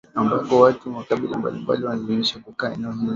ambako watu wa makabila mbalimbali walilazimishwa kukaa eneo hilo